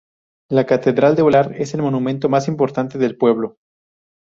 La catedral de Hólar es el monumento más importante del pueblo.